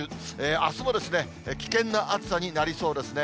あすも危険な暑さになりそうですね。